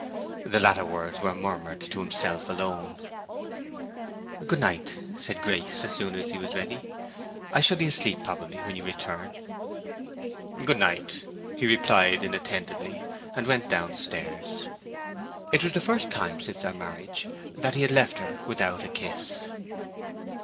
The latter words were murmured to himself alone. "Good night," said Grace, as soon as he was ready. "I shall be asleep, probably, when you return." "Good night," he replied, inattentively, and went down stairs. It was the first time since their marriage that he had left her without a kiss.